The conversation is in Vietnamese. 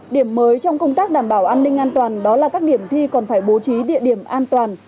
điểm mới trong công tác đảm bảo an ninh an toàn đó là các điểm thi còn phải bố trí địa điểm an toàn